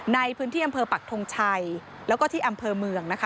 ในพื้นที่อำเภอปักทงชัยแล้วก็ที่อำเภอเมืองนะคะ